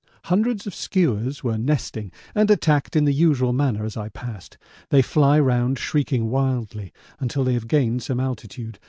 Hundreds of skuas were nesting and attacked in the usual manner as I passed. They fly round shrieking wildly until they have gained some altitude.